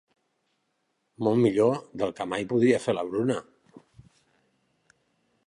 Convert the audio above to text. Molt millor del que mai podria fer la Bruna.